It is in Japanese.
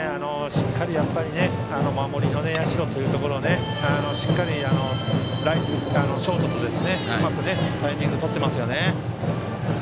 しっかり守りの社というところでショートとうまくタイミングをとっていましたよね。